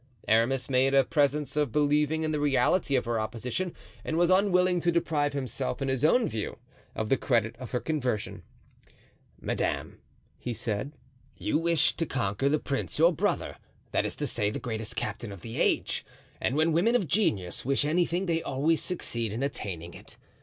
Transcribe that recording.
Aramis made a presence of believing in the reality of her opposition and was unwilling to deprive himself in his own view of the credit of her conversion. "Madame," he said, "you have wished to conquer the prince your brother—that is to say, the greatest captain of the age; and when women of genius wish anything they always succeed in attaining it.